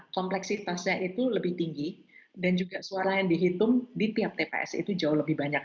kompleksitasnya itu lebih tinggi dan juga suara yang dihitung di tiap tps itu jauh lebih banyak